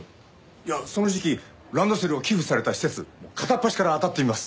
いやその時期ランドセルを寄付された施設片っ端からあたってみます。